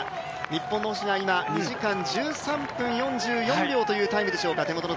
日本の星が今、２時間１３分４４秒というタイムでしょうか。